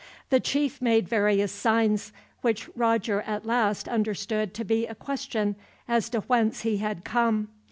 The chief made various signs, which Roger at last understood to be a question as to whence he had come.